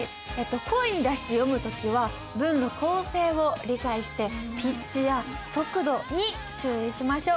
声に出して読む時は文の構成を理解してピッチや速度に注意しましょう。